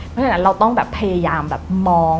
เพราะฉะนั้นเราต้องพยายามมอง